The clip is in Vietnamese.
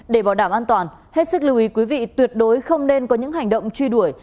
để bảo đảm an toàn hết sức lưu ý quý vị tuyệt đối không nên có những hành động truy đuổi